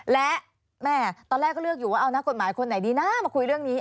และแม่ตอนแรกก็เลือกอยู่ว่าเอานักกฎหมายคนไหนดีนะมาคุยเรื่องนี้